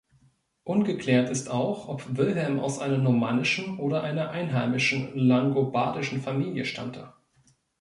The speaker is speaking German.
Ungeklärt ist auch, ob Wilhelm aus einer normannischen oder einer einheimischen langobardischen Familie stammte.